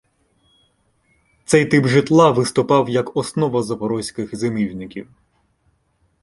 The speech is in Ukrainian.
Цей тип житла виступав як основа запорозьких зимівників.